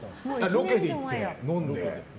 ロケで行って、飲んで。